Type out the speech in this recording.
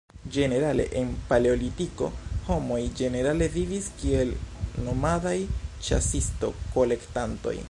Ĝenerale en Paleolitiko, homoj ĝenerale vivis kiel nomadaj ĉasisto-kolektantoj.